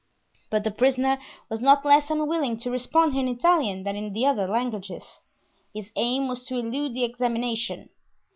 But the prisoner was not less unwilling to respond in Italian than in the other languages; his aim was to elude the examination.